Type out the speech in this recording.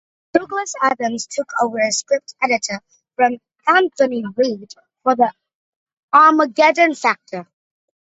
Douglas Adams took over as script editor from Anthony Read for "The Armageddon Factor".